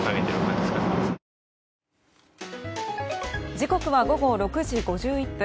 時刻は午後６時５１分。